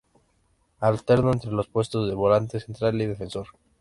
Alternó entre los puestos de volante central y defensor central.